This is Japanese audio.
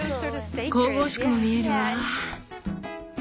神々しくも見えるわ。